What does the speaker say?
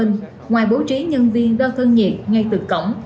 ngoài bố trí nhân viên đo thân nhiệt ngay từ cổng